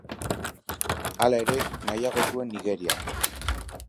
Hala ere, nahiago zuen Nigeria.